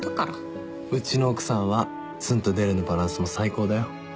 うちの奥さんはツンとデレのバランスも最高だよ